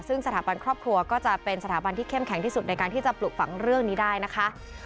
ซึ่งสถาบันครอบครัวก็จะเป็นสถาบันที่เข้มแข็งที่สุดในการที่จะปลูกฝังเรื่องนี้ได้นะคะ